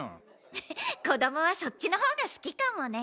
フフッ子供はそっちの方が好きかもね。